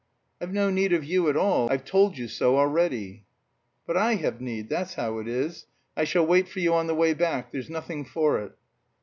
"I've no need of you at all. I've told you so already." "But I have need, that's how it is! I shall wait for you on the way back. There's nothing for it."